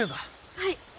はい。